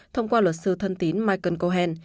thông qua luật sư thân tín michael cohen